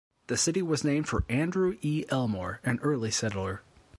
The city was named for Andrew E. Elmore, an early settler.